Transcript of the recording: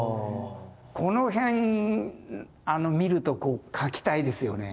この辺見ると描きたいですよね。